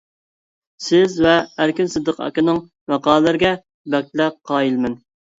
سىز ۋە ئەركىن سىدىق ئاكىنىڭ ماقالىلىرىگە بەكلا قايىل مەن.